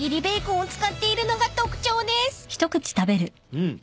うん。